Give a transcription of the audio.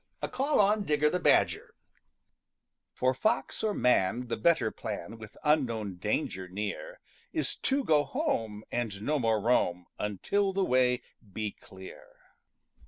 A CALL ON DIGGER THE BADGER For fox or man the better plan With unknown danger near, Is to go home and no more roam Until the way be clear.